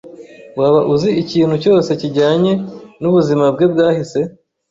Waba uzi ikintu cyose kijyanye n'ubuzima bwe bwahise?